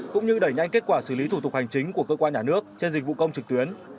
cũng như đẩy nhanh kết quả xử lý thủ tục hành chính của cơ quan nhà nước trên dịch vụ công trực tuyến